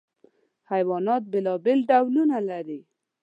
حیوانات بېلابېل ډولونه لري.